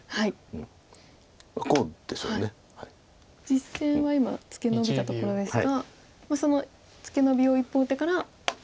実戦は今ツケノビたところですがそのツケノビを１本打ってから。